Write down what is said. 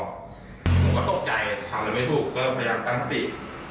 ผมก็ตกใจทำอะไรไม่ถูกก็พยายามตั้งสติ